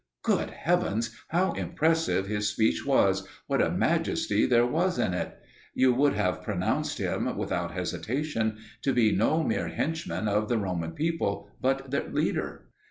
Good heavens! how impressive his speech was, what a majesty there was in it! You would have pronounced him, without hesitation, to be no mere henchman of the Roman people, but their leader.